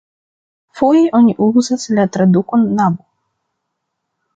Foje oni uzas la tradukon nabo.